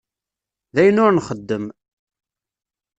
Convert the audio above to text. D ayen ur nxeddem.